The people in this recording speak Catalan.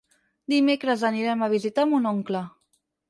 Dimecres anirem a visitar mon oncle.